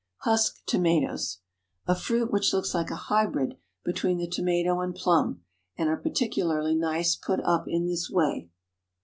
Husk tomatoes—a fruit which looks like a hybrid between the tomato and plum—are particularly nice put up in this way.